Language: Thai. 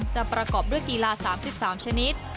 ประกอบด้วยกีฬา๓๓ชนิด